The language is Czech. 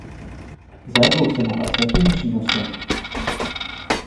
Za jakou cenu a s jakým přínosem?